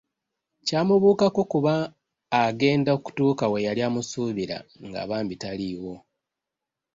Ky’amubuukako kuba agenda okutuuka we yali amusuubira nga bambi taliiwo.